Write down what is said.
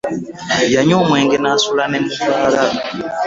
Yanywa omwenge nasula mu bbaala.